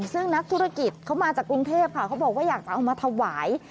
ซึ่งนักธุรกิจเขามาจากกรุงเทพค่ะเขาบอกว่าอยากจะเอามาถวาย